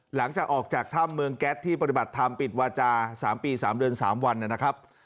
หลังจากออกจากถ้ำเมืองแก๊สที่ปฏิบัติธรรมปิดวาจา๓ปี๓เดือน๓วันนะครับ